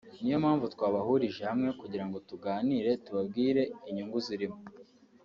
niyo mpamvu twabahurije hamwe kugira ngo tuganire tubabwire inyungu zirimo”